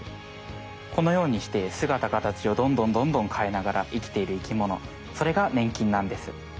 このようにしてすがた形をどんどんどんどんかえながら生きている生きものそれがねん菌なんです。